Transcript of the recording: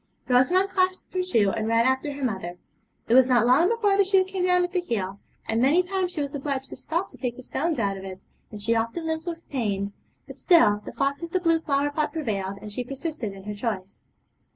Rosamond clasped her shoe and ran after her mother. It was not long before the shoe came down at the heel, and many times she was obliged to stop to take the stones out of it, and she often limped with pain; but still the thoughts of the blue flower pot prevailed, and she persisted in her choice.